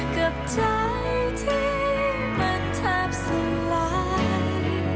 กับใจที่มันแทบสลาย